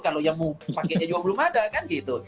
kalau yang mau pakainya juga belum ada kan gitu